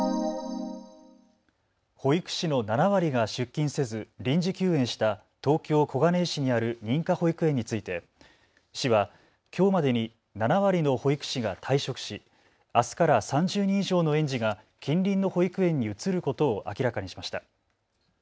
保育士の７割が出勤せず臨時休園した東京小金井市にある認可保育園について市はきょうまでに７割の保育士が退職しあすから３０人以上の園児が近隣の保育園に移ることを明らかにしました。